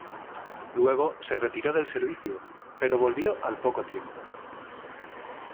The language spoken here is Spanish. Luego se retiró del servicio pero volvió al poco tiempo.